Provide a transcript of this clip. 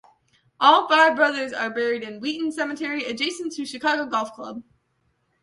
All five brothers are buried in Wheaton Cemetery, adjacent to Chicago Golf Club.